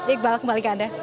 iqbal kembali ke anda